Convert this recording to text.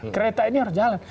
kereta ini harus jalan